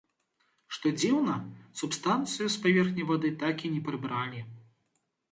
Што дзіўна, субстанцыю з паверхні вады так і не прыбралі.